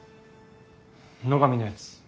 野上のやつ